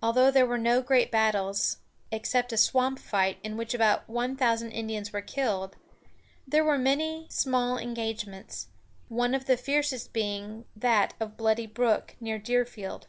Although there were no great battles, except a swamp fight, in which about one thousand Indians were killed, there were many small engagements, one of the fiercest being that of Bloody Brook, near Deerfield.